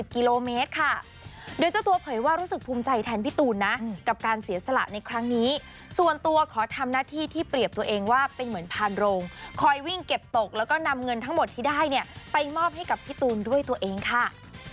ขอทำหน้าที่ที่เปรียบตัวเองว่าเป็นเหมือนพานโรงคอยวิ่งเก็บตกแล้วก็นำเงินทั้งหมดที่ได้ไปมอบให้กับพี่ตูนด้วยตัวเองค่ะ